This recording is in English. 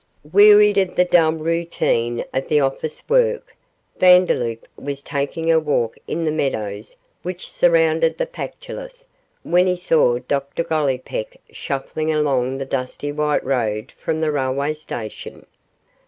Wearied of the dull routine of the office work, Vandeloup was taking a walk in the meadows which surrounded the Pactolus, when he saw Dr Gollipeck shuffling along the dusty white road from the railway station.